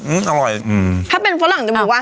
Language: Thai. อืมอร่อยอืมถ้าเป็นฝรั่งจะหมดวะ